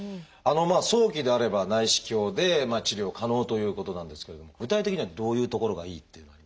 早期であれば内視鏡で治療可能ということなんですけれども具体的にはどういうところがいいっていうのはありますか？